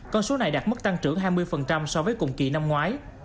con số này đạt mức tăng trưởng hai mươi so với cùng kỳ năm ngoái